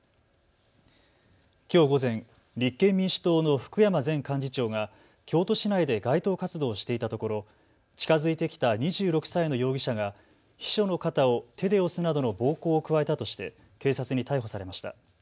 きょう午前、立憲民主党の福山前幹事長が京都市内で街頭活動をしていたところ近づいてきた２６歳の容疑者が秘書の肩を手で押すなどの暴行を加えたとして警察に逮捕されました。